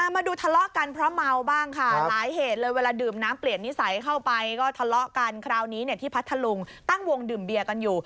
มาดูทะเลาะกันเพราะเมาบ้างค่ะหลายเหตุเลยเวลาดื่มน้ำเปลี่ยนนิสัยเข้าไปก็ทะเลาะกันคราวนี้เนี่ยที่พัทธลุงตั้งวงดื่มเบียร์กันอยู่